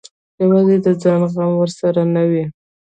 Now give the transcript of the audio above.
یوازې د ځان غم ورسره نه وي.